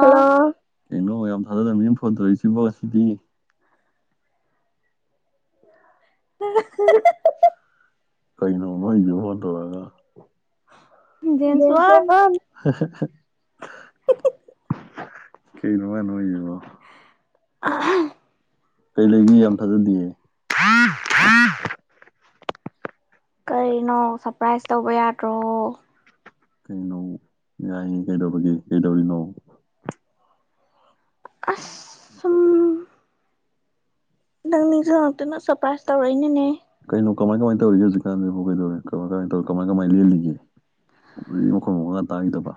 ꯍꯂ ꯀꯩꯅꯣ ꯊꯥꯖꯗꯕꯅꯤꯅ ꯐꯣꯟ ꯇꯧꯔꯛꯏꯁꯤ ꯏꯕꯣ ꯉꯁꯤꯗꯤ [unintelligible] ꯀꯩꯅꯣ ꯃꯣꯏꯗꯨꯕꯨ [unintelligible] ꯇꯧꯔꯒ ꯖꯦꯟꯁꯋꯥꯟ [unintelligible] ꯀꯩꯗꯃꯥꯟ ꯑꯣꯏꯕ [unintelligible] ꯀꯩ ꯂꯩꯒ ꯌꯥꯝ ꯐꯖꯗꯦꯌꯦ ꯀꯔꯤꯅꯣ ꯁꯔꯄ꯭ꯔꯥꯏꯁ ꯇꯧꯕ ꯌꯥꯗ꯭ꯔꯣ ꯀꯩꯅꯣ ꯌꯥꯏꯌꯦ ꯀꯩꯗꯧꯔꯒꯦ ꯀꯩꯗꯧꯔꯤꯅꯣ ꯑꯁ ꯁꯨꯝ ꯅꯪ ꯅꯤꯡꯁꯨ ꯉꯥꯛꯇꯅ ꯁꯔꯄ꯭ꯔꯥꯏꯁ ꯇꯧꯔꯛꯏꯅꯦꯅꯦ ꯀꯩꯅꯣ ꯀꯃꯥꯏ ꯀꯃꯥꯏꯅ ꯇꯧꯔꯤꯒꯦ ꯍꯧꯖꯤꯛꯀꯥꯟꯗꯤ ꯍꯣꯏ ꯀꯩꯗꯧꯔꯦ ꯀꯥꯏ ꯀꯃꯥꯏ ꯇꯧꯔꯤ ꯀꯃꯥꯏ ꯀꯃꯥꯏ ꯂꯦꯜꯂꯤꯒꯦ ꯃꯈ ꯃꯉ ꯇꯗꯕ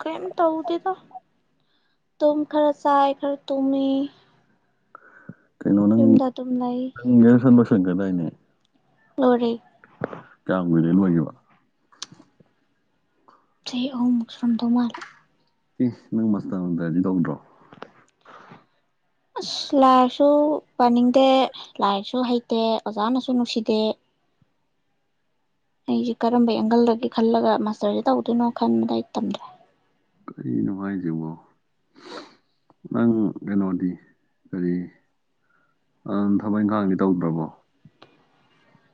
ꯀꯦꯝ ꯇꯧꯗꯦꯗ ꯇꯨꯝ ꯈꯔ ꯆꯥꯏ ꯈꯔ ꯇꯨꯝꯃꯤ ꯀꯩꯅꯣ ꯅꯪ ꯌꯨꯝꯗ ꯑꯗꯨꯝ ꯂꯩ ꯅꯪ ꯌꯦ ꯁꯟꯕ ꯁꯦꯡꯒꯔꯗꯥꯏꯅꯦ ꯃꯣꯔꯦ ꯀꯌꯥꯝ ꯀꯨꯏꯔꯦ ꯂꯣꯏꯕ ꯆꯍꯤ ꯑꯍꯨꯝꯃꯨꯛ ꯁꯨꯔꯝꯗꯧ ꯃꯥꯜꯂꯦ ꯑꯁ ꯅꯪ ꯃꯁꯇꯔ ꯅꯨꯡꯗꯔꯗꯤ ꯇꯧꯗꯔꯣ ꯑꯁ ꯂꯥꯏꯔꯤꯁꯨ ꯄꯥꯅꯤꯡꯗꯦ ꯂꯥꯏꯔꯤꯛꯁꯨ ꯍꯩꯇꯦ ꯑꯣꯖꯥꯅꯁꯨ ꯅꯨꯡꯁꯤꯗꯦ ꯑꯩꯁꯦ ꯀꯔꯝꯕ ꯑꯦꯡꯒꯜꯗꯒꯤ ꯈꯜꯂꯒ ꯃꯥꯁꯇꯔꯁꯦ ꯇꯧꯗꯣꯏꯅꯣ ꯈꯟꯕꯗ ꯑꯩ ꯇꯝꯗ꯭ꯔꯦ ꯀꯔꯤꯅꯣꯉꯥꯏꯁꯤꯕꯣ ꯅꯪ ꯀꯩꯅꯣꯗꯤ ꯀꯔꯤ ꯑꯪ ꯊꯕꯛ ꯏꯪꯈꯥꯡꯗꯤ ꯇꯧꯗ꯭ꯔꯕꯣ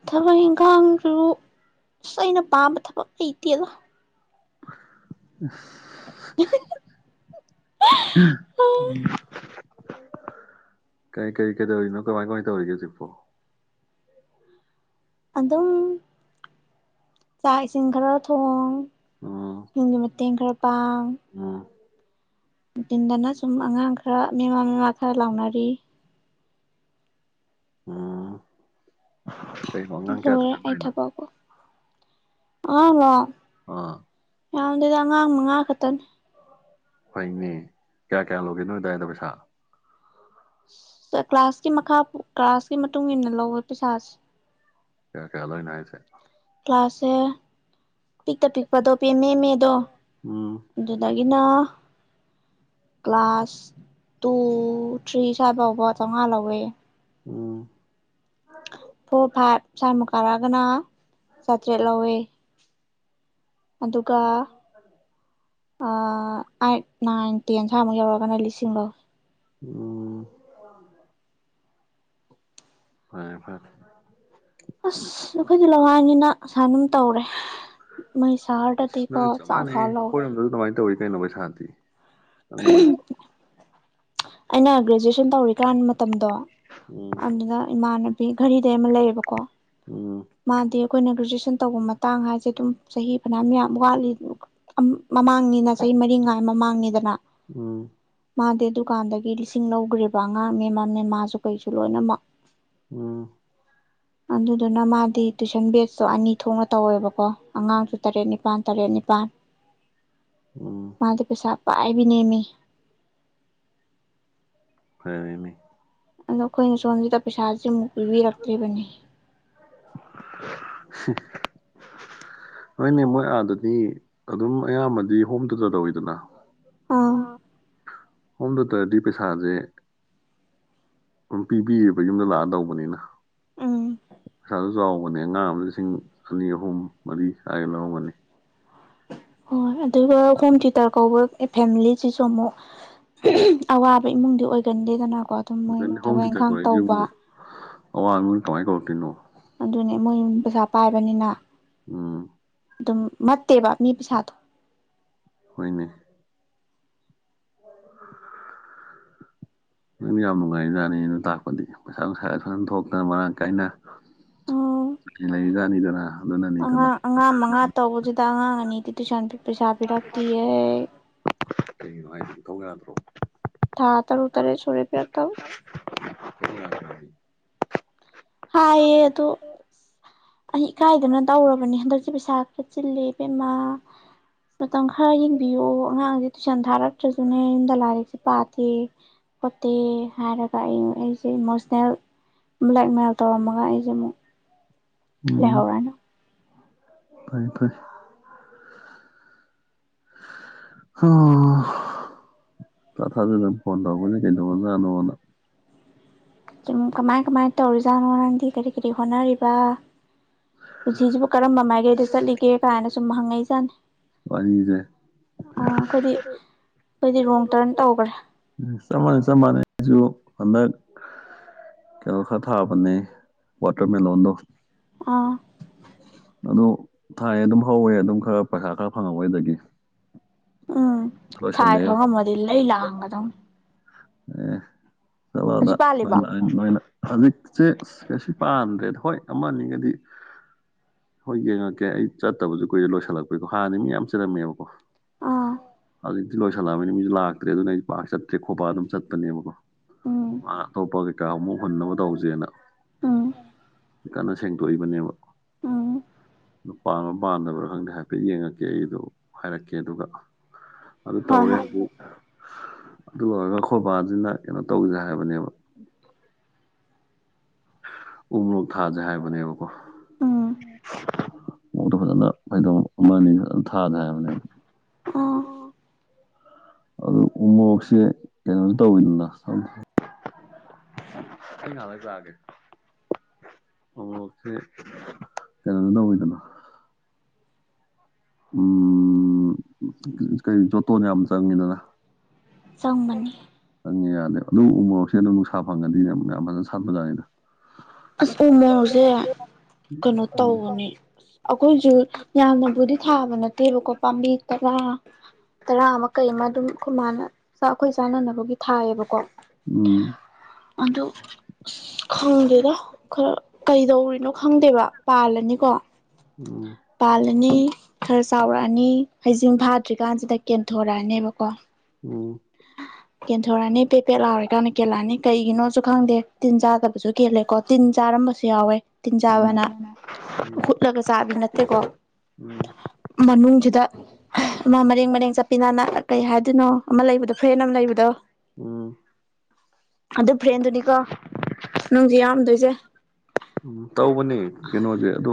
ꯊꯕꯛ ꯏꯟꯈꯥꯡꯁꯨ ꯑꯁ ꯑꯩꯅ ꯄꯥꯝꯕ ꯊꯕꯛ ꯂꯩꯇꯦꯗꯣ ꯏꯁ [unintelligible] ꯀꯩ ꯀꯔꯤ ꯀꯩꯗꯧꯔꯤꯅꯣ ꯀꯃꯥꯏ ꯀꯃꯥꯏ ꯇꯧꯔꯤꯒꯦ ꯍꯧꯖꯤꯛꯄꯣ ꯑꯗꯨꯝ ꯆꯥꯛ ꯏꯁꯤꯡ ꯈꯔ ꯊꯣꯡ ꯌꯨꯝꯒꯤ ꯃꯇꯦꯡ ꯈꯔ ꯄꯥꯡ ꯎꯝ ꯅꯨꯡꯊꯤꯟꯗꯅ ꯁꯨꯝ ꯑꯉꯥꯡ ꯈꯔ ꯃꯦꯃꯥ ꯃꯦꯃꯥ ꯈꯔ ꯂꯥꯎꯅꯔꯤ ꯎꯝ ꯀꯩꯅꯣ ꯑꯉꯥꯡ ꯀꯌꯥꯗ ꯂꯣꯏꯔꯦ ꯑꯩ ꯆꯠꯇꯣꯏꯅꯣ ꯊꯕꯛꯄꯨ [unintelligible] ꯑꯥ ꯌꯥꯝꯗꯦꯗ ꯑꯉꯥꯡ ꯃꯉꯥ ꯈꯛꯇꯅꯤ ꯍꯣꯏꯅꯦ ꯀꯌꯥ ꯀꯌꯥ ꯂꯧꯒꯦ ꯅꯣꯏ ꯑꯗꯥꯏꯗ ꯄꯩꯁꯥ ꯀ꯭ꯂꯥꯁꯀꯤ ꯃꯈꯥ ꯀ꯭ꯂꯥꯁꯀꯤ ꯃꯇꯨꯡ ꯏꯟꯅ ꯂꯧꯧꯕ ꯄꯩꯁꯥꯁꯦ ꯀ ꯈꯌꯥꯂꯅꯅꯥꯑꯁ ꯀꯪꯂꯥꯁꯦ ꯄꯤꯛꯇ ꯄꯤꯛꯄꯗꯣ ꯄꯦꯝꯃꯦꯃꯦꯗꯣ ꯎꯝ ꯑꯗꯨꯗꯒꯤꯅ ꯀ꯭ꯂꯥꯁ ꯇꯨ ꯊ꯭ꯔꯤ ꯁ꯭ꯋꯥꯏꯐꯥꯎꯕ ꯆꯥꯝꯃꯉꯥ ꯂꯧꯋꯦ ꯑꯣꯥ ꯐꯣꯔ ꯐꯥꯏꯚ ꯁꯔꯃꯨꯛ ꯀꯥꯔꯛꯑꯒꯅ ꯆꯥꯇ꯭ꯔꯦꯠ ꯂꯧꯋꯦ ꯏ ꯑꯩꯠ ꯅꯥꯏꯟ ꯇꯦꯟ ꯁ꯭ꯋꯥꯏꯃꯨꯛ ꯌꯧꯔꯒꯅ ꯂꯤꯁꯤꯡ ꯂꯧꯣ ꯎꯝ ꯐꯔꯦ ꯐꯔꯦ ꯑꯁ ꯑꯩꯈꯣꯏꯁꯨ ꯂꯋꯥꯅꯤꯅ ꯁꯨꯃꯥꯏꯅ ꯑꯗꯨꯝ ꯇꯧꯔꯦ ꯃꯣꯏ ꯑꯁ ꯁꯔꯗꯗꯤꯀꯣ ꯆ ꯆꯂ ꯀꯩꯅꯩꯅꯧꯕꯩ ꯁꯥꯟꯇꯤ ꯑꯩꯅ ꯒ꯭ꯔꯦꯖꯨꯋꯦꯁꯟ ꯇꯧꯔꯤꯀꯥꯟ ꯃꯇꯝꯗꯣ ꯎꯝ ꯑꯗꯨꯗ ꯏꯃꯥꯟꯅꯕꯤ ꯘꯔꯤꯗꯩ ꯑꯃ ꯂꯩꯌꯦꯕꯀꯣ ꯎꯝ ꯃꯥꯗꯤ ꯑꯩꯈꯣꯏꯅ ꯒ꯭ꯔꯦꯖꯨꯋꯦꯁꯟ ꯇꯧꯕ ꯃꯇꯥꯡ ꯍꯥꯏꯁꯦ ꯑꯗꯨꯝ ꯆꯍꯤ ꯐꯅꯌꯥꯝ ꯌꯥꯝ ꯋꯥꯠꯂꯤ ꯑꯝ ꯃꯃꯥꯡꯅꯤꯅ ꯆꯍꯤ ꯃꯔꯤꯉꯥꯏ ꯃꯃꯥꯡꯅꯤꯗꯅ ꯎꯝ ꯃꯥꯗꯤ ꯗꯨꯀꯥꯟꯗꯒꯤ ꯂꯤꯁꯤꯡ ꯂꯧꯒꯔꯤꯕ ꯑꯉꯥꯡꯅꯦ ꯃꯝꯅꯦ ꯃꯥꯁꯨ ꯀꯩꯁꯨ ꯂꯣꯏꯅꯃꯛ ꯑ ꯑꯗꯨ ꯑꯗꯨꯗꯨꯅ ꯃꯥ ꯇꯨꯏꯁꯟ ꯕꯦꯁꯁꯨ ꯑꯅꯤ ꯊꯣꯛꯅ ꯇꯧꯋꯦꯕꯀꯣ ꯑꯉꯥꯡꯁꯨ ꯇꯔꯦꯠ ꯅꯤꯄꯥꯜ ꯇꯔꯦꯠ ꯅꯤꯄꯥꯜ ꯎꯝ ꯃꯥꯗ ꯄꯩꯁꯥ ꯄꯥꯏꯕꯤꯅꯦꯃꯤ ꯐꯔꯔꯃꯤ ꯑꯗꯣ ꯑꯩꯈꯣꯏꯅ ꯁꯣꯝꯁꯤꯗ ꯄꯩꯁꯥꯥꯁ ꯑꯃꯨꯛ ꯄꯤꯕꯤꯔꯛꯇ꯭ꯔꯤꯕꯅꯤ [inaudible] ꯍꯣꯏꯅꯦ ꯃꯣꯏ ꯑꯥꯗꯅꯤ ꯑꯗꯨꯝ ꯑꯌꯥꯝꯕꯗꯤ ꯍꯣꯝꯗꯨꯗ ꯂꯧꯧꯋꯤꯗꯅ ꯑꯥ ꯍꯣꯝ ꯗꯣꯛꯇꯔꯗꯤ ꯄꯩꯁꯥꯁꯦ ꯑꯗꯨꯝ ꯄꯤꯕꯤꯌꯦꯕ ꯌꯨꯝꯗ ꯂꯥꯛꯑꯗꯧꯕꯅꯤꯅ ꯎꯝ ꯄꯩꯁꯥꯁꯨ ꯆꯥꯎꯕꯅꯤ ꯑꯉꯥꯡ ꯑꯃ ꯂꯤꯁꯤꯡ ꯑꯅꯤ ꯑꯍꯨꯝ ꯃꯔꯤ ꯁꯒ ꯂꯧꯔꯝꯒꯅꯤ ꯍꯣꯏ ꯑꯗꯨꯒ ꯍꯣꯝ ꯊꯤꯦꯇꯔ ꯀꯧꯕ ꯑꯦ ꯐꯦꯃꯤꯂꯤꯁꯤꯁꯨ ꯑꯃꯨꯛ ꯑꯋꯥꯕ ꯏꯃꯨꯡꯗꯤ ꯑꯣꯏꯒꯟꯗꯦꯗꯅ ꯀꯣ ꯑꯗꯨꯝ ꯃꯣꯏ ꯊꯕꯛ ꯏꯪꯈꯥꯡ ꯇꯧꯕ ꯑꯋꯥꯡ ꯀꯃꯥꯏꯅ ꯀꯧꯔꯛꯇꯣꯏꯅꯣ ꯑꯗꯨꯅꯦ ꯃꯣꯏ ꯌꯨꯝ ꯄꯩꯁꯥ ꯄꯥꯏꯕꯅꯤꯅ ꯑꯝ ꯑꯗꯨꯝ ꯃꯠꯇꯦꯕ ꯃꯤ ꯄꯩꯁꯥꯗꯣ ꯍꯅꯦ ꯑꯣ ꯅ ꯌꯥꯝ ꯅꯨꯡꯉꯥꯏꯖꯥꯠꯅꯤ ꯑꯅ ꯇꯥꯛꯄꯗꯤ ꯄꯩꯁꯥ ꯅꯨꯡꯁꯥꯗ ꯐꯖꯅ ꯊꯣꯛꯇꯅ ꯃꯔꯥꯡ ꯀꯥꯏꯅ ꯑꯣ ꯏ ꯏꯅꯤꯗꯅꯥ ꯑꯉꯥꯡ ꯑꯉꯥꯡ ꯃꯉꯥ ꯇꯧꯕꯁꯤꯗ ꯑꯉꯥꯡ ꯑꯅꯤꯗꯤ ꯇꯨꯏꯁꯟ ꯄꯤ ꯄꯦꯁꯥꯕꯤꯤ ꯔꯛꯇ ꯍꯥꯏ ꯃꯊꯧ ꯌꯥꯗ꯭ꯔꯣ ꯊꯥ ꯇꯔ ꯎ ꯇꯔꯦ ꯁꯔꯦ ꯄꯦꯔ ꯊꯕ [inaudible] ꯍꯥꯏꯌꯦ ꯑꯗ ꯑꯩ ꯏꯀꯥꯏꯗꯅ ꯇꯧꯔꯕꯅꯦ ꯍꯟꯗꯛꯇꯤ ꯄꯩꯁꯥ ꯆꯂꯤ ꯄꯃꯥ ꯃꯇꯝ ꯈꯔ ꯌꯦꯡꯕꯤꯌꯑꯣ ꯑꯉꯥꯡꯁꯦ ꯇꯨꯏꯁꯟ ꯊꯥꯔꯛꯇ꯭ꯔꯁꯨꯅꯦ ꯌꯨꯝꯗ ꯂꯥꯏꯔꯤꯛꯁꯦ ꯄꯥꯗꯦ ꯈꯣꯠꯇꯦ ꯍꯥꯏꯔꯒ ꯑꯩ ꯑꯩꯁꯦ ꯏꯃꯣꯁꯅꯦꯜ ꯕ꯭ꯂꯦꯛꯃꯦꯜ ꯇꯧꯔꯝꯃꯒ ꯑꯩꯁꯦ ꯑꯃꯨꯛ ꯂ ꯂꯩꯦꯍꯧꯔꯅ ꯐꯔꯦ ꯐꯔ ꯑꯣ ꯇ ꯑꯗꯨ ꯐꯣꯟꯗꯕꯨ ꯀꯕꯖꯅꯕꯅ ꯑꯗꯨꯨꯝ ꯀꯃꯥꯏ ꯀꯃꯥꯏ ꯇꯧꯔꯤꯨꯖꯥꯠꯅꯣ ꯅꯥꯡꯗꯤ ꯀꯔꯤ ꯀꯔꯤ ꯍꯣꯠꯅꯔꯤꯕ ꯄꯨꯟꯁꯤꯁꯤꯕꯨ ꯀꯔꯝꯕ ꯃꯥꯏꯀꯩꯗ ꯆꯠꯂꯤꯒꯦ ꯀꯥꯏꯅ ꯁꯨꯝ ꯍꯪꯉꯛꯏ ꯆꯥꯅꯤ ꯋꯥꯔꯤꯁꯦ ꯑꯩꯈꯣꯏꯗꯤ ꯑꯩꯈꯣꯏꯗꯤ ꯔꯣꯡ ꯇꯔꯟ ꯇꯧꯈ꯭ꯔꯦ ꯁꯃꯅꯦ ꯁꯃꯅꯦꯁꯨ ꯍꯟꯗꯛ ꯀꯩꯅꯣ ꯈꯔ ꯊꯥꯕꯅꯦ ꯋꯥꯇꯔꯃꯦꯂꯣꯟꯗꯣ ꯑꯥ ꯑꯗꯨ ꯊꯥꯏꯌꯦ ꯑꯗꯨꯝ ꯍꯧꯋꯦ ꯑꯗꯨꯝ ꯈꯔ ꯄꯩꯁꯥ ꯈꯔ ꯐꯪꯉꯛꯑꯣꯏꯗꯒꯤ ꯎꯝ ꯊꯥꯏ ꯈꯪꯉꯝꯃꯗꯤ ꯂꯩ ꯂꯥꯡꯒꯗꯧꯅꯤ ꯑꯦ ꯍꯧꯖꯤꯛ ꯄꯥꯜꯂꯤꯕꯣ ꯆꯕꯗꯣꯏ ꯍꯧꯖꯤꯛꯁꯦ ꯀꯩꯁꯨ ꯄꯥꯟꯗ꯭ꯔꯦꯗ ꯍꯣꯏ ꯑꯃꯅꯤ ꯑꯒꯗꯤo ꯍꯣꯏ ꯌꯦꯡꯉꯛꯀꯦ ꯑꯩ ꯆꯠꯇꯕꯁꯨ ꯀꯨꯏꯔ ꯂꯣꯏꯁꯤꯜꯂꯛꯄꯩꯀꯣ ꯍꯥꯟꯅꯗꯤ ꯃꯤ ꯌꯥꯝ ꯆꯜꯂꯝꯝꯃꯦꯕꯀꯣ ꯑꯥ ꯑꯗꯨꯗꯤ ꯂꯣꯏꯁꯜꯂꯝꯕꯅꯤ ꯃꯤꯁꯨ ꯂꯥꯛꯇ꯭ꯔꯦ ꯑꯗꯨꯅ ꯑꯩꯁꯨ ꯄꯥꯛ ꯆꯠꯇ꯭ꯔꯦ ꯈꯣꯄ ꯑꯗꯨꯝ ꯆꯠꯄꯅꯦꯕꯀꯣ ꯎꯝ ꯃꯥ ꯑꯇꯣꯞꯄ ꯀꯩꯀꯥ ꯑꯃꯨꯛ ꯍꯨꯟꯅꯕ ꯇꯧꯁꯦꯅ ꯎꯝ ꯀꯟꯅ ꯁꯦꯡꯗꯣꯛꯏꯕꯅꯦꯕ ꯎꯝ ꯅꯨꯄꯥ ꯑꯃ ꯃꯥꯟꯗꯕ꯭ꯔꯥ ꯈꯪꯗꯦ ꯍꯥꯏꯐꯦꯠ ꯌꯦꯡꯉꯛꯀꯦ ꯑꯩꯗ ꯍꯥꯏꯔꯛꯀꯦ ꯑꯗꯨꯒ [inaudible] ꯑꯗꯨ ꯇꯧꯔꯦ ꯍꯣꯏ ꯑꯗꯨ ꯑꯗꯨ ꯂꯣꯏꯔꯒ ꯐꯣꯕꯥꯁꯤꯅ ꯀꯩꯅꯣ ꯇꯧꯁꯦ ꯍꯥꯏꯕꯅꯦꯕ ꯎꯃꯔꯣꯛ ꯊꯥꯁꯦ ꯍꯥꯏꯕꯅꯦꯕꯀꯣ ꯎꯝ ꯃꯗ ꯐꯖꯅ ꯐꯩꯗꯧ ꯑꯃꯅꯤ ꯑꯅꯤ ꯐꯖꯅ ꯊꯥꯗ ꯍꯥꯏꯕꯅꯦ ꯑꯥ ꯑꯗꯨ ꯎꯃꯣꯁꯦ ꯀꯩꯅꯣꯁꯨ ꯇ ꯑꯩ ꯅꯉ ꯂꯒꯦ ꯍꯧꯕꯣꯛꯁꯦ ꯀꯩꯅꯣꯅ ꯇꯧꯋꯤꯗꯅꯣ ꯎꯝ ꯀꯩ ꯖꯣꯇꯣꯅ ꯌꯥꯝ ꯆꯪꯉꯤꯗꯅ ꯆꯪꯕꯅꯤ ꯆꯪꯉꯦ ꯌꯥꯗꯦ ꯑꯗꯨ ꯎ ꯃꯣꯔꯣꯛꯁꯦ ꯑꯗꯨꯝ ꯅꯨꯡꯁꯥ ꯐꯪꯉꯗꯤ ꯌꯥꯝ ꯌꯥꯝ ꯐꯖꯅ ꯁꯥꯠꯄꯖꯅꯤꯅ ꯑꯁ ꯎ ꯃꯣꯔꯨꯁꯦ ꯀꯩꯅꯣ ꯎꯝ ꯇꯧꯕꯅꯤ ꯑꯩꯈꯣꯏꯁꯨ ꯌꯥꯝꯅꯕꯨꯗꯤ ꯊꯥꯕ ꯅꯠꯇꯦꯕꯀꯣ ꯄꯥꯝꯕꯤ ꯇꯔꯥo ꯇꯔꯥ ꯑꯃ ꯀꯩ ꯑꯃ ꯑꯗꯨꯝ ꯑꯩꯈꯣꯏ ꯃꯥꯅ ꯑꯩꯈꯣꯏ ꯆꯥꯅꯅꯕꯒꯤ ꯊꯥꯏꯌꯦꯕꯀꯣ ꯎꯝ ꯑꯗꯤ ꯈꯪꯗꯔ ꯈꯔ ꯀꯩꯗꯧꯔꯤꯅꯣ ꯈꯪꯗꯦꯕ ꯄꯥꯜꯂꯅꯤꯀꯣ ꯄꯥꯜꯂꯅꯤ ꯈꯔ ꯆꯥꯎꯔꯛꯑꯅꯤ ꯍꯩꯖꯤꯡ ꯐꯥꯗ꯭ꯔꯤꯀꯥꯟꯁꯤꯗ ꯀꯦꯟꯊꯣꯔꯛꯑꯅꯦꯕꯀꯣ ꯎꯝ ꯀꯦꯟꯊꯣꯔꯛꯑꯅꯤ ꯄꯦꯄꯦꯠ ꯂꯥꯎꯔꯦ ꯀꯥꯟꯅ ꯀꯦꯜꯂꯛꯑꯅꯤ ꯀꯩꯒꯤꯅꯣꯁꯨ ꯈꯪꯗꯦ ꯇꯤꯟ ꯆꯥꯗꯕꯁꯨ ꯀꯦꯜꯂꯦꯀꯣ ꯇꯤꯟ ꯆꯥꯔꯝꯕꯁꯨ ꯌꯥꯎꯋꯦ ꯇꯤꯟ ꯆꯥꯕꯅ ꯎꯃꯅꯦ ꯍꯨꯠꯂꯒ ꯆꯥꯕꯤ ꯅꯠꯇꯦꯀꯣ ꯎꯝ ꯃꯅꯨꯡꯁꯤꯗ ꯃꯥ ꯃꯦꯡ ꯃꯔꯦꯡ ꯆꯠꯄꯤ ꯅ ꯀꯩ ꯍꯥꯏ ꯑꯗꯨꯅꯣ ꯑꯃ ꯂꯩꯕꯗꯣ ꯐꯩ ꯑꯅꯝ ꯂꯩꯕꯗꯣ ꯑꯥ ꯑꯗꯨ ꯐ꯭ꯔꯦꯟꯗꯨꯅꯤꯀꯣ ꯅꯨꯡꯗꯤ ꯌꯥꯝꯔꯝꯗꯣꯏꯁꯦ ꯎꯝ ꯇꯧꯕꯅꯦ ꯀꯩꯅꯣꯁꯦ ꯑꯗꯣ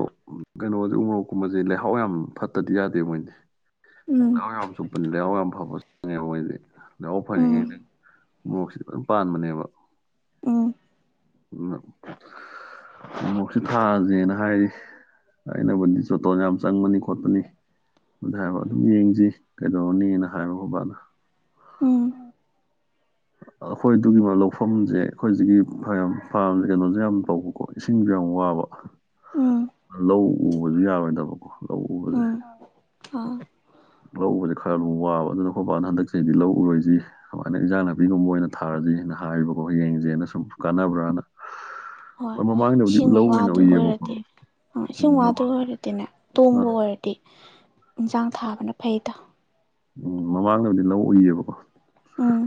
ꯀꯩꯅꯣꯁꯦ ꯎꯃꯣꯛ ꯀꯨꯝꯕꯁꯦ ꯂꯩꯍꯥꯎ ꯌꯥꯝ ꯐꯠꯇꯗꯤ ꯌꯥꯗꯦꯕ [unintelligible] ꯎꯝ ꯂꯥꯛꯍꯥꯎ ꯌꯥꯝ ꯆꯨꯞꯄꯅꯤ ꯂꯩꯍꯥꯎ ꯌꯥꯝ ꯐꯕ ꯆꯪꯉꯦ ꯃꯣꯏꯗꯤ ꯂꯩꯥꯏꯍꯥꯎ ꯎꯝ ꯐꯔꯤꯉꯩ ꯅꯪ ꯃꯣꯔꯣꯛꯁꯤꯗꯤ ꯂꯣꯏ ꯄꯥꯟꯕꯅꯦꯕ ꯑꯥ ꯎꯝ ꯑꯃꯨꯛꯁꯤ ꯊꯥꯔꯁꯦꯅ ꯍꯥꯏꯔꯤ ꯑꯩꯅꯕꯨꯗꯤ ꯆꯣꯇꯣ ꯌꯥꯝ ꯆꯪꯕꯅꯤ ꯈꯣꯠꯄꯅꯤ ꯑꯗꯨ ꯍꯥꯏꯕ ꯑꯗꯨꯝ ꯌꯦꯡꯁꯤ ꯀꯩꯗꯧꯔꯅꯤꯅ ꯍꯥꯏꯔꯣ ꯕꯕꯥꯅ ꯎꯝ ꯎꯝ ꯑꯩꯈꯣꯏꯗꯨꯒꯤ ꯂꯧꯐꯝꯁꯦ ꯑꯩꯈꯣꯏꯁꯤꯒꯤ ꯐꯥꯝꯁꯦ ꯀꯩꯅꯣꯁꯦ ꯌꯥꯝ ꯇꯧꯕꯀꯣ ꯏꯁꯤꯡꯁꯨ ꯌꯥꯝ ꯋꯥꯕ ꯎꯝ ꯂꯧ ꯎꯕꯁꯨ ꯌꯥꯔꯣꯏꯗꯕꯀꯣ ꯂꯧ ꯎꯕꯁꯦ ꯎꯝ ꯑꯥ ꯂ ꯎꯧꯕꯁꯦ ꯈꯔ ꯑꯗꯨꯝ ꯋꯥꯕ ꯑꯗꯨꯅ ꯈꯣꯠꯄꯅ ꯍꯟꯗꯛ ꯆꯍꯤꯗꯤ ꯂꯧ ꯎꯔꯣꯏꯁꯤ ꯁꯃꯥꯏꯅ ꯏꯟꯖꯥꯡ ꯅꯥꯄꯤꯒꯨꯝꯕ ꯑꯣꯏꯅ ꯊꯥꯔ ꯈ꯭ꯔꯗꯤꯅ ꯍꯥꯏꯔꯤꯕꯀꯣ ꯍꯌꯦꯡꯁꯦꯅ ꯁꯨꯝ ꯀꯥꯟꯅꯕ꯭ꯔꯅ ꯍꯣꯏ ꯂꯤꯁꯤꯡ ꯃꯥꯗꯨ ꯑꯣꯏꯔꯗꯤ ꯑ ꯁꯤꯁꯤꯡ ꯎꯝ ꯃꯗꯨ ꯃꯃꯥꯡ ꯑꯣꯏꯔꯗꯤꯅꯦ ꯇꯣꯡꯕ ꯑꯣꯏꯔꯗꯤ ꯏꯟꯁꯥꯡ ꯊꯥꯕꯅ ꯐꯩꯗ ꯎꯝ ꯃꯃꯥꯡꯗꯕꯨꯗꯤ ꯂꯧ ꯎꯏꯌꯦꯕꯀꯣ ꯑꯥ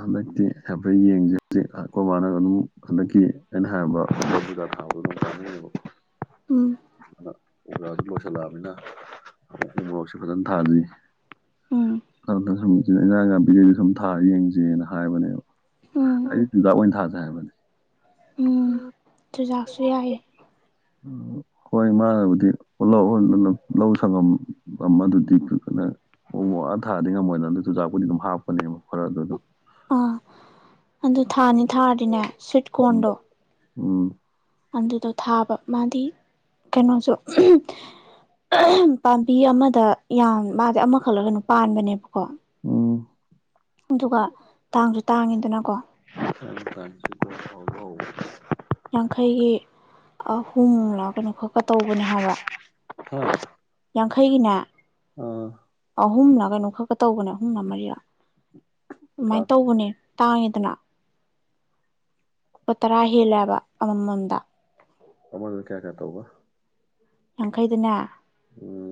ꯍꯟꯗꯛꯇꯤ ꯍꯥꯏꯐꯦꯠ ꯌꯦꯡꯖ ꯍꯧꯖꯤꯛ ꯀꯕꯥꯅ ꯑꯗꯨꯝ ꯍꯟꯗꯛꯀꯤ ꯑꯩꯅ ꯍꯥꯏꯝꯕꯗ ꯣ ꯎꯝ ꯑꯣꯖꯥꯁꯤ ꯂꯣꯏꯁꯜꯂꯛꯑꯕꯅꯤꯅ ꯃꯣꯔꯣꯛꯁꯨ ꯐꯖꯅ ꯊꯥꯖꯩ ꯎꯝ ꯁꯨꯝ ꯏꯟꯖꯥꯡ ꯥꯄꯤꯈꯩꯗꯤ ꯁꯨꯝ ꯊꯥꯔ ꯌꯦꯡꯁꯦꯅ ꯍꯥꯏꯕꯅꯦꯕ ꯎꯝ ꯑꯩꯖ ꯑꯣꯏꯅ ꯊꯥꯖ ꯍꯥꯏꯕ ꯎꯝ ꯆꯨꯖꯥꯛꯁꯨ ꯌꯥꯏ ꯍꯣꯏ ꯃꯥꯕꯨꯗꯤ ꯂꯧ ꯁꯪꯉꯝ ꯑꯃ ꯑꯗꯨꯗꯤ ꯐꯅ ꯑꯣ ꯃꯛ ꯑ ꯊꯥꯗꯤ ꯉꯝꯃꯣꯏꯅ ꯑꯗꯨ ꯆꯨꯖꯥꯛꯄꯨꯗꯤ ꯑꯗꯨꯝ ꯍꯥꯞꯄꯅꯦ ꯈꯔ ꯑꯗꯨ ꯑꯗꯨꯝ ꯑꯥ ꯑꯗꯨ ꯊꯥꯅꯤ ꯊꯥꯔꯗꯤꯅꯦ ꯁ꯭ꯋꯤꯠ ꯎꯝ ꯀꯣꯔꯟꯗꯣ ꯎꯝ ꯑꯗꯨꯗꯣ ꯊꯥꯕ ꯃꯥꯗꯤ ꯀꯩꯅꯣꯁꯨ ꯄꯥꯝꯕꯤ ꯑꯃꯗ ꯌꯥꯝ ꯃꯥꯗꯤ ꯑꯃꯈꯛꯂꯒꯅ ꯄꯥꯟꯕꯅꯦꯕꯀꯣ ꯎꯝ ꯑꯗꯨꯒ ꯊꯥꯡꯁꯨ ꯇꯥꯡꯉꯤꯗꯅꯀꯣ ꯍꯍꯨꯝꯃꯨꯛ ꯂꯥꯛꯀꯅꯨ ꯈꯛꯀ ꯇꯧꯕꯅꯦ ꯍꯥꯏꯕ ꯍ ꯌꯥꯡꯈꯩꯒꯤꯅꯦ ꯑꯍꯨꯝꯅ ꯀꯩꯅꯣ ꯈꯛꯀ ꯇꯧꯕꯅꯦ ꯑꯍꯨꯝꯅ ꯃꯔꯤꯔ ꯍꯥ ꯑꯗꯨꯃꯥꯏꯅ ꯇꯧꯕꯅꯦ ꯇꯥꯡꯉꯤꯗꯅ ꯂꯨꯄꯥ ꯇꯔꯥ ꯍꯦꯜꯂꯦꯕ ꯑꯃꯃꯝꯗ ꯑꯔꯗ ꯀꯌꯥ ꯀꯇꯥ ꯍꯒ ꯌꯥꯡꯈꯩꯗꯅꯦ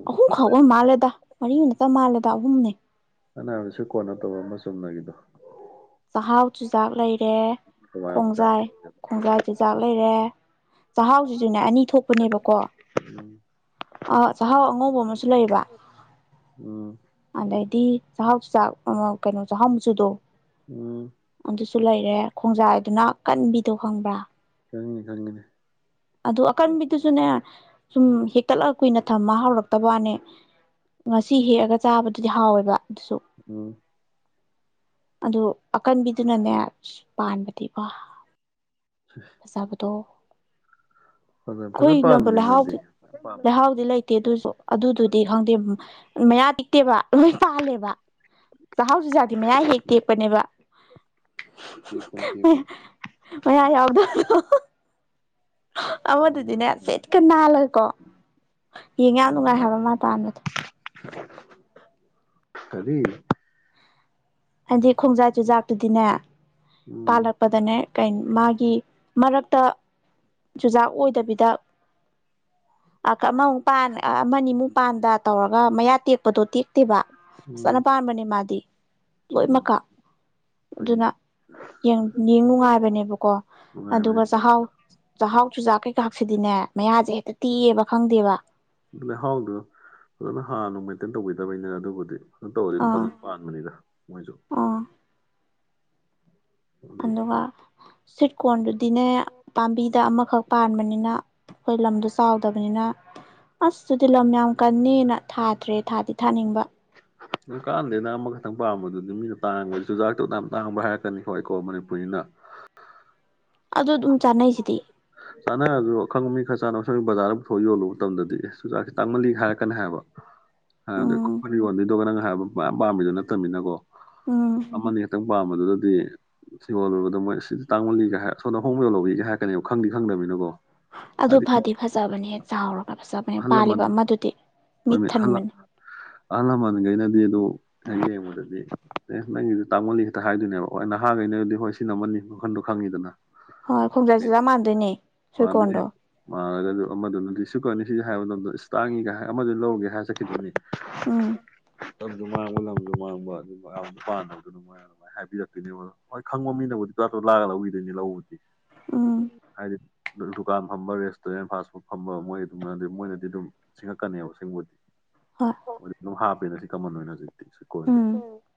ꯑꯍꯨꯝꯈꯛꯕ ꯃꯥꯜꯂꯦꯗ ꯃꯔꯤꯇ ꯃꯥꯜꯂꯦꯗ ꯑꯍꯨꯝꯅꯦ ꯑꯅꯕꯗ ꯁ ꯀꯣꯟꯅ ꯇꯧꯕꯔ ꯑꯃ ꯆꯨꯝꯅꯒꯤꯗꯣ ꯆꯥꯛꯍꯥꯎ ꯆꯤꯟꯖꯥꯛ ꯂꯩꯔꯦ ꯀꯃꯥꯏ ꯀꯌꯥꯝ ꯈꯣꯡꯖꯥꯏ ꯇꯧꯒꯦꯕ ꯈꯣꯡꯖꯥꯏ ꯆꯤꯟꯖꯥꯛ ꯂꯩꯔꯦ ꯆꯥꯛꯍꯥꯎꯁꯤꯁꯨꯅꯦ ꯑꯅꯤ ꯊꯣꯛꯄꯅꯦꯕꯀꯣ ꯎꯝ ꯑ ꯆꯥꯛꯍꯥꯎ ꯑꯉꯧꯕ ꯑꯃꯁꯨ ꯂꯩꯕ ꯎꯝ ꯑꯗꯩꯗꯤ ꯆꯥꯛꯍꯥꯎ ꯆꯥꯛ ꯀꯩꯅꯣ ꯆꯥꯛꯍꯥꯎꯁꯨꯗꯣ ꯎꯝ ꯑꯗꯨꯁꯨ ꯂꯩꯔꯦ ꯈꯣꯡꯖꯥꯏꯗꯨꯅ ꯀꯟꯕꯤꯗꯣ ꯈꯪꯕ꯭ꯔꯥ ꯈꯪꯉꯤ ꯈꯪꯉꯤꯅꯦ ꯑꯗꯨ ꯑꯀꯟꯕꯤꯗꯨꯁꯨꯅꯦ ꯁꯨꯝ ꯍꯦꯛꯇꯠꯂꯒ ꯀꯨꯏꯅ ꯊꯝꯃ ꯍꯧꯔꯛꯇꯕ ꯋꯥꯅꯦ ꯉꯁꯤ ꯍꯦꯛꯑꯒ ꯆꯥꯕꯗꯨꯗꯤ ꯍꯥꯎꯋꯦꯕ ꯑꯗꯨꯁꯨ ꯎꯝ ꯑꯗꯨ ꯑꯀꯟꯕꯤꯗꯨꯅꯅꯦ ꯑ ꯄꯥꯟꯕꯗꯤꯀꯣ ꯑꯖꯥꯕꯗꯣ [inaudible] ꯐꯖ ꯐꯖꯅ ꯑꯩꯈꯣꯏ ꯂꯝꯕꯨ ꯄꯥꯟꯕꯅꯦ ꯃꯣꯏꯗꯤ ꯂꯩꯍꯥꯎꯗꯤ ꯄꯥꯟ ꯂꯩꯍꯥꯎꯗꯤ ꯂꯩꯇꯦ ꯑꯗꯨꯁꯨ ꯑꯗꯨꯗꯨꯗꯤ ꯈꯪꯗꯦ ꯃꯌꯥ ꯇꯦꯛꯇꯦꯕ ꯂꯣꯏ ꯇꯥꯜꯂꯦꯕ ꯆꯥꯛꯍꯥꯎ ꯆꯤꯖꯥꯛꯥꯗꯤ ꯃꯌꯥ ꯍꯦꯛ ꯇꯦꯛꯄꯅꯦꯕ ꯇꯦꯛꯄꯅꯤ ꯇꯦꯛꯄꯅꯤ ꯃ ꯃꯌꯥ ꯌꯥꯎꯗꯗꯣ ꯅꯥꯜꯂꯒꯀꯣ ꯎꯝ ꯌꯦꯡ ꯌꯥꯝ ꯑꯃ ꯅꯨꯡꯉꯥꯏ ꯑꯉꯥꯡ ꯍꯥꯏꯕ ꯃꯥ ꯇꯥꯅꯗ ꯀꯔꯤ ꯍꯥꯏꯗꯤ ꯈꯣꯡꯖꯥ ꯆꯨꯖꯥꯛꯇꯨꯗꯤꯅꯦ ꯎꯝ ꯄꯥꯜꯂꯛꯄꯗꯅꯦ ꯀ ꯃꯥꯒꯤ ꯃꯔꯛꯇ ꯆꯨꯖꯥꯛ ꯑꯣꯏꯗꯕꯤꯗ ꯑꯃꯃꯨꯛ ꯄꯥꯟ ꯑꯃꯅꯤꯃꯨꯛ ꯄꯥꯟꯗ ꯇꯧꯔꯒ ꯃꯌꯥ ꯇꯦꯛꯄꯗꯣ ꯇꯦꯛ ꯠꯇꯦꯕ ꯐꯖꯅ ꯎꯝ ꯄꯥꯟꯕꯅꯦ ꯃꯥꯗꯤ ꯂꯣꯏꯃꯛꯀ ꯎꯝ ꯑꯗꯨꯅ ꯍꯣꯏꯅꯦ ꯌꯦꯡ ꯅꯨꯡꯉꯥꯏꯕꯅꯦꯕꯀꯣ ꯅꯨꯡꯉꯥꯏꯕꯅꯤ ꯑꯗꯨꯒ ꯅꯨꯡꯉꯥꯏꯕꯅꯤ ꯆꯥꯛꯍꯥꯎ ꯆꯥꯛꯍꯥꯎ ꯆꯨꯖꯥꯛ ꯀꯩꯀꯥꯁꯤꯗꯤꯅꯦ ꯃꯌꯥꯁꯦ ꯍꯦꯛꯇ ꯇꯤꯑꯕ ꯈꯪꯗꯦꯕ ꯑꯗꯨ ꯂꯩꯍꯥꯎꯗꯨ ꯐꯖꯅ ꯍꯥꯟꯅ ꯃꯦꯟꯇꯦꯟ ꯇꯧꯕꯤꯗꯕꯅꯤꯅ ꯑꯗꯨꯕꯨꯗꯤ ꯑꯗꯨ ꯇꯧꯔꯗꯤ ꯑꯗꯨꯝ ꯑꯥ ꯐꯖꯅ ꯄꯥꯟꯕꯅꯤꯗ ꯃꯣꯏꯁꯨ ꯑꯥ ꯑꯗꯨ ꯑꯗꯨꯒ ꯁꯤꯠꯀꯣꯟꯗꯨꯗꯤꯅꯦ ꯄꯥꯝꯕꯤꯗ ꯑꯃ ꯈꯛ ꯄꯥꯟꯕꯅꯤꯅ ꯑꯩꯈꯣꯏ ꯂꯝꯗꯣ ꯆꯥꯎꯗꯕꯅꯤꯅ ꯑꯁꯇꯨꯗꯤ ꯂꯝ ꯌꯥꯝ ꯀꯟꯅꯦꯅ ꯊꯥꯗ꯭ꯔꯦ ꯊꯥꯗꯤ ꯊꯥꯅꯤꯡꯕ ꯑꯗꯨ ꯀꯥꯟꯗꯦ ꯅꯪ ꯑꯃꯈꯛꯇꯪ ꯄꯥꯝꯕꯗꯨꯗꯤ ꯃꯤꯅ ꯇꯥꯡꯕ ꯆꯨꯖꯥꯛꯇꯨꯅ ꯌꯥꯝ ꯇꯥꯡꯕ ꯍꯥꯏꯔꯛꯀꯅꯤ ꯍꯣꯏ ꯑꯩꯀꯣ ꯃꯅꯤꯄꯨꯔꯤꯅ [inaudible] ꯑꯗꯨ ꯑꯗꯨꯝ ꯆꯥꯅꯩꯁꯤꯗꯤ ꯆꯅ ꯑꯗꯨ ꯋꯥꯈꯪ ꯃꯤ ꯈꯔ ꯆꯥꯅꯅꯕꯁꯒꯤ ꯕꯖꯥꯔ ꯄꯨꯊꯣꯛꯄ ꯌꯣꯂꯕ ꯃꯇꯝꯗꯗꯤ ꯑꯦ ꯆꯨꯨꯔꯥꯛꯁꯤꯦ ꯇꯥꯡꯃꯜꯂꯤ ꯍꯥꯏꯔꯛꯀꯅꯤ ꯍꯥꯏꯕ ꯑꯗ ꯎꯝ ꯐ ꯌꯣꯅꯤꯗꯒ ꯅꯪ ꯍꯥꯏ ꯄꯥꯝꯃꯤꯗꯨꯣ ꯅꯠꯇꯕꯃꯤꯅꯀꯣ ꯎꯝ ꯑꯃꯅꯤ ꯈꯛꯇꯪ ꯄꯥꯝꯕꯗꯨꯗꯗꯤ ꯊꯤꯒꯣꯜꯂꯨꯕꯗ ꯃꯣꯏ ꯁꯤꯗꯤ ꯇꯥꯡꯃꯜꯂꯤꯒ ꯍꯥꯏꯔ ꯁꯣꯗ ꯍꯣꯡ ꯌꯣ ꯂꯧꯕꯤꯒ ꯍꯥꯏꯔꯛꯀꯅꯦꯕ ꯈꯪꯗꯤ ꯈꯪꯗꯃꯤꯅꯀꯣ ꯑꯗꯨ ꯐꯗꯤ ꯐꯖꯕꯅꯦ ꯍꯦꯛ ꯆꯥꯎꯔꯛ ꯄ ꯆꯥꯕꯅꯦ ꯑꯍꯜ ꯂꯃꯟ ꯄꯥꯜꯂꯤꯕ ꯑꯃꯗꯨꯗꯤ ꯃꯤꯠ ꯍꯣꯏꯅꯦ ꯑꯍꯜ ꯊꯟꯕꯅꯤ ꯑꯍꯜ ꯂꯃꯟꯈꯩꯅꯗꯤ ꯑꯗꯨ ꯌꯦꯡꯕꯗꯗꯤ ꯑꯦ ꯅꯪꯒꯤꯗꯤ ꯇꯥꯡꯃꯣꯜꯂꯤ ꯈꯤꯇ ꯍꯥꯏꯗꯣꯏꯅꯦꯕ ꯍ ꯅꯍꯥꯈꯩ ꯩꯅꯔꯗꯤ ꯍꯣꯏ ꯁꯤ ꯅ ꯑꯃꯅꯤꯅꯤ ꯋꯥꯈꯟꯗꯣ ꯈꯪꯉꯤꯗꯅ ꯍꯣꯏ ꯈꯣꯡꯖꯥꯏ ꯆꯨꯖꯥꯛ ꯃꯥꯟꯗꯣꯏꯅꯦ ꯁꯣꯏꯀꯣꯟꯗꯣ ꯃꯥꯃꯗꯨꯅꯗꯁ ꯁꯤꯁꯦ ꯍꯥꯏꯕ ꯃꯇꯝꯗꯣ ꯏꯁꯇꯥꯡꯉꯤꯒ ꯑꯃ ꯂꯧꯔꯨꯒꯦ ꯍꯥꯏꯔ ꯆꯠꯈꯤꯗꯕꯅꯤ ꯎꯝ ꯗ ꯃꯥꯡꯕ ꯂꯝꯗ ꯃꯥꯡꯕ ꯑꯗꯨ ꯃ ꯄꯥꯟꯅꯕꯗ ꯑꯗꯨꯃꯥꯏꯅ ꯑꯗꯨꯃꯥꯏꯅ ꯍꯥꯏꯕꯤꯔꯛꯇꯣꯏꯅꯦꯕ ꯍꯣꯏꯪꯕ ꯃꯤꯅꯕꯨꯗꯤ ꯇ ꯂꯥꯛꯑ ꯂꯧꯕꯤꯗꯣꯏꯅꯤ ꯂꯧꯕꯗꯤ ꯎꯝ ꯍꯥꯏꯗꯤ ꯗꯨꯀꯥꯟ ꯐꯝꯕ ꯔꯦꯁꯇꯨꯔꯦꯟ ꯐꯥꯁ ꯐꯨꯗ ꯐꯝꯕ ꯃꯣꯏ ꯆꯅꯗꯤ ꯃꯣꯏꯅꯗꯤ ꯑꯗꯨꯝ ꯁꯤꯡꯉꯛꯀꯅꯦꯕ ꯁꯤꯡꯕꯗꯤ ꯍꯣꯏ ꯃꯣꯏꯗꯤ ꯑꯗꯨꯝ ꯍꯥ ꯁꯤ ꯀꯃꯟ ꯑꯣꯏꯅ ꯍꯧꯖꯤꯛꯇꯤ ꯎꯝ ꯁꯤꯁꯦ